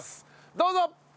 どうぞ！